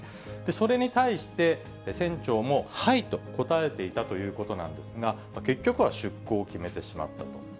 それに対して、船長も、はいと答えていたということなんですが、結局は出港を決めてしまったと。